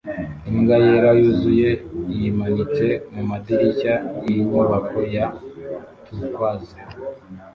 Imbwa yera yuzuye yimanitse mumadirishya yinyubako ya turquoise